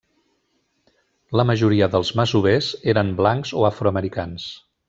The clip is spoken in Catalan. La majoria dels masovers eren blancs o afroamericans.